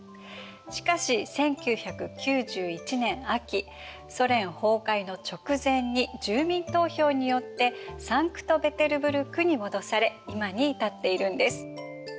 しかし１９９１年秋ソ連崩壊の直前に住民投票によってサンクト・ペテルブルクに戻され今に至っているんです。